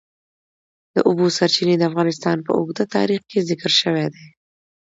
د اوبو سرچینې د افغانستان په اوږده تاریخ کې ذکر شوی دی.